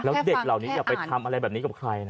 แล้วเด็กเหล่านี้อย่าไปทำอะไรแบบนี้กับใครนะ